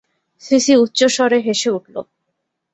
CC উচ্চেঃস্বরে হেসে উঠল।